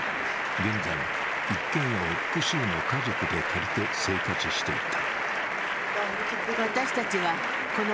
現在、一軒家を複数の家族で借りて生活していた。